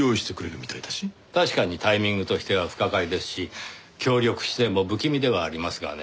確かにタイミングとしては不可解ですし協力姿勢も不気味ではありますがね